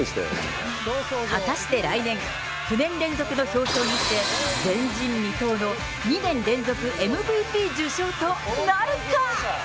果たして来年、９年連続の表彰にして、前人未到の２年連続ＭＶＰ受賞となるか？